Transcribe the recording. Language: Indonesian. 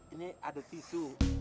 ini ada tisu